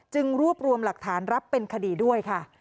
รวบรวมหลักฐานรับเป็นคดีด้วยค่ะ